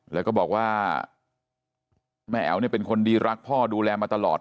แล้วก็บอกว่าแม่แอ๋วเป็นคนดีรักพ่อดูแลมาตลอด